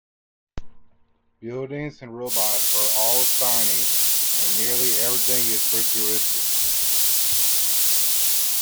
Buildings and robots are all shiny and nearly everything is futuristic.